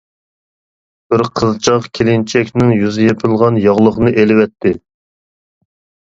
بىر قىزچاق كېلىنچەكنىڭ يۈزى يېپىلغان ياغلىقنى ئېلىۋەتتى.